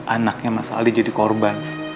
anaknya mas ali jadi korban